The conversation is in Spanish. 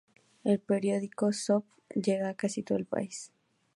El periódico SoB llega a casi todo el país.